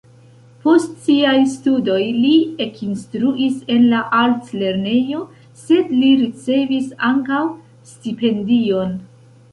Post siaj studoj li ekinstruis en la altlernejo, sed li ricevis ankaŭ stipendion.